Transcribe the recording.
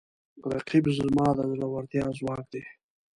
رقیب زما د زړورتیا ځواک دی